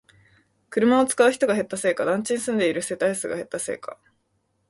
車を使う人が減ったせいか、団地に住んでいる世帯数が減ったせいか